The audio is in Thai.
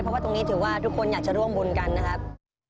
เพราะว่าตรงนี้ถือว่าทุกคนอยากจะร่วมบุญกันนะครับ